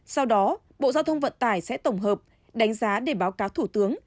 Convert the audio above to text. sau đó bộ giao thông vận tải sẽ tổng hợp đánh giá để báo cáo thủ tướng